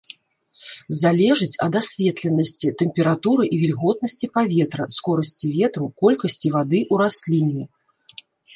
Залежыць ад асветленасці, тэмпературы і вільготнасці паветра, скорасці ветру, колькасці вады ў расліне.